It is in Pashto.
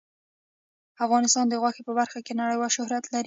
افغانستان د غوښې په برخه کې نړیوال شهرت لري.